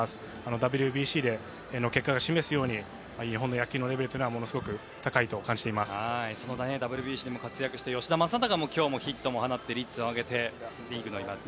ＷＢＣの結果が示すように日本の野球のレベルはものすごくそのＷＢＣでも活躍した吉田正尚も今日、ヒットを放って率を上げています。